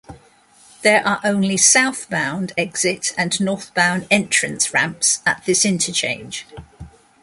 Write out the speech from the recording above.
There are only southbound exit and northbound entrance ramps at this interchange.